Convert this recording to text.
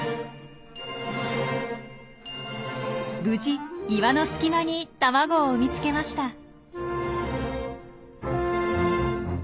無事岩の隙間に卵を産み付けました。